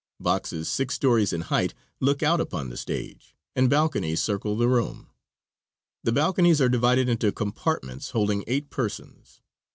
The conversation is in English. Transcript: Boxes, six stories in height, look out upon the stage, and balconies circle the room. The balconies are divided into compartments holding eight persons.